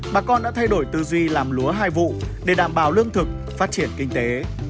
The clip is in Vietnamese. bà con đã thay đổi tư duy làm lúa hai vụ để đảm bảo lương thực phát triển kinh tế